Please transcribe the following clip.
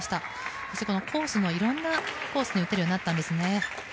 そして、いろんなコースに打てるようになったんですね。